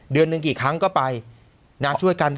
เดือนหนึ่งกี่ครั้งก็ไปนะช่วยกัน